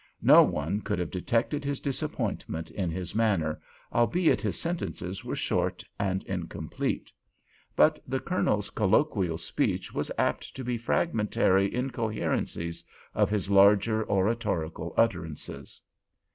No one could have detected his disappointment in his manner, albeit his sentences were short and incomplete. But the Colonel's colloquial speech was apt to be fragmentary incoherencies of his larger oratorical utterances.